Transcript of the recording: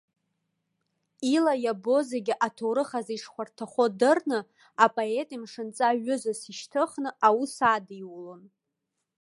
Ила иабо зегь аҭоурых азы ишхәарҭахо дырны апоет имшынҵа ҩызас ишьҭыхны аус адиулон.